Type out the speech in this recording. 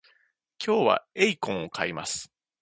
今日はエイコンを買います